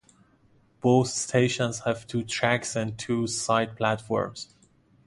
Both stations have two tracks and two side platforms.